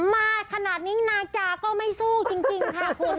มาขนาดนี้นาจาก็ไม่สู้จริงค่ะคุณ